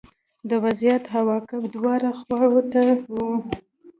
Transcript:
د وضعیت عواقب دواړو خواوو ته وو